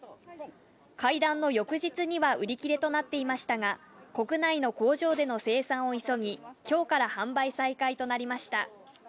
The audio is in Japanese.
会談の翌日には売り切れとなっていましたが、国内の工場での生産を急ぎ、きょうから販売再開となりました。